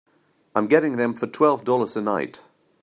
I'm getting them for twelve dollars a night.